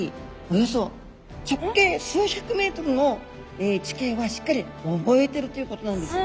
およそ直径数百ｍの地形はしっかり覚えてるということなんです。